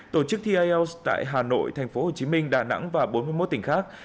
tổ chức thi ielts tại hà nội tp hcm đà nẵng và bốn mươi một tỉnh khác